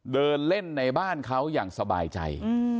เดินเล่นในบ้านเขาอย่างสบายใจ